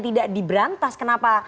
tidak diberantas kenapa